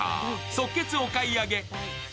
即決お買い上げ。